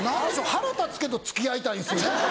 腹立つけど付き合いたいんですよね。